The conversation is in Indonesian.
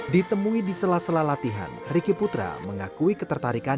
ditemui di sela sela latihan riki putra mengakui ketertarikan